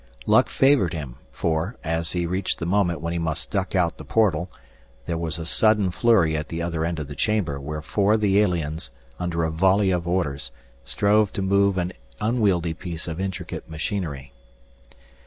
Luck favored him, for, as he reached the moment when he must duck out the portal, there was a sudden flurry at the other end of the chamber where four of the aliens, under a volley of orders, strove to move an unwieldy piece of intricate machinery.